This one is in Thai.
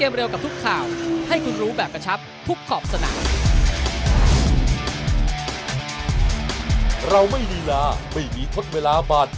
มันจะแขนครอง๑๙๔๒